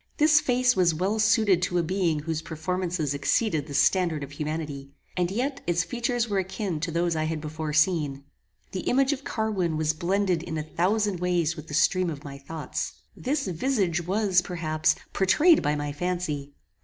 This face was well suited to a being whose performances exceeded the standard of humanity, and yet its features were akin to those I had before seen. The image of Carwin was blended in a thousand ways with the stream of my thoughts. This visage was, perhaps, pourtrayed by my fancy.